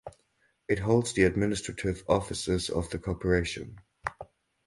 It holds the administrative offices of the corporation.